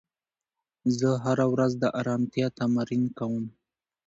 زه هره ورځ د ارامتیا تمرین کوم.